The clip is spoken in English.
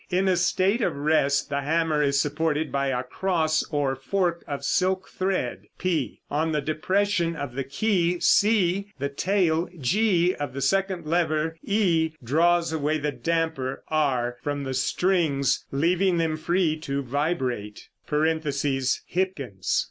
In a state of rest the hammer is supported by a cross or fork of silk thread, p. On the depression of the key, c, the tail, q, of the second lever, e, draws away the damper, r, from the strings, leaving them free to vibrate. (Hipkins.)